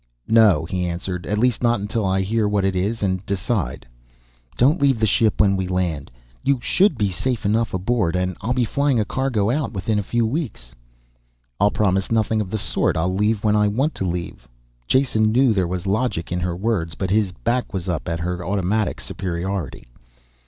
"No," he answered. "At least not until after I hear what it is and decide." "Don't leave the ship when we land. You should be safe enough aboard, and I'll be flying a cargo out within a few weeks." "I'll promise nothing of the sort. I'll leave when I want to leave." Jason knew there was logic in her words, but his back was up at her automatic superiority.